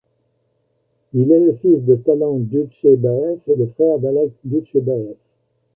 Il est le fils de Talant Dujshebaev et le frère d'Alex Dujshebaev.